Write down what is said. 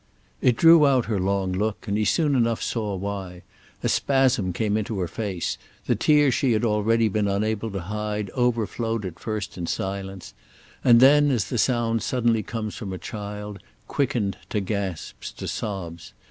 It drew out her long look, and he soon enough saw why. A spasm came into her face, the tears she had already been unable to hide overflowed at first in silence, and then, as the sound suddenly comes from a child, quickened to gasps, to sobs.